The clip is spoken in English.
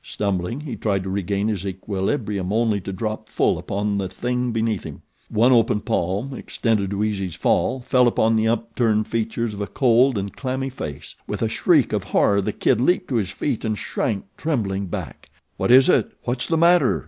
Stumbling, he tried to regain his equilibrium only to drop full upon the thing beneath him. One open palm, extended to ease his fall, fell upon the upturned features of a cold and clammy face. With a shriek of horror The Kid leaped to his feet and shrank, trembling, back. "What is it? What's the matter?"